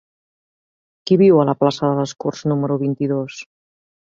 Qui viu a la plaça de les Corts número vint-i-dos?